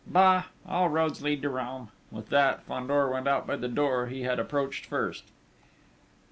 "Bah! All roads lead to Rome!" With that, Fandor went out by the door he had approached first....